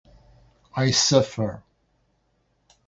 I suffer.